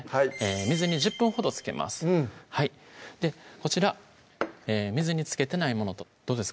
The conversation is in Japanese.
水に１０分ほどつけますうんこちら水につけてないものとどうですか？